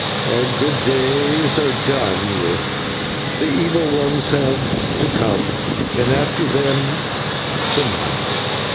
Our good days are done with, the evil ones have to come, and after them the night.